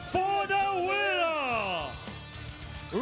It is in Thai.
เพื่อตัดสินครับ